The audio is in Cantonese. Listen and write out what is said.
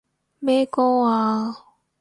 咩歌啊？